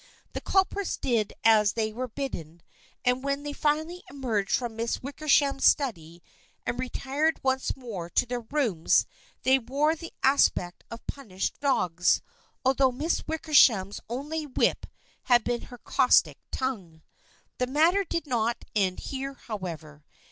The culprits did as they were bidden and when they finally emerged from Miss Wickersham's study and retired once more to their rooms they wore the aspect of pun ished dogs, although Miss Wickersham's only whip had been her caustic tongue. The matter did not end here, however.